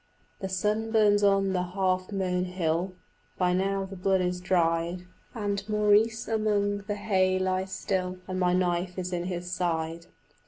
"The sun burns on the half mown hill, By now the blood is dried; And Maurice amongst the hay lies still And my knife is in his side."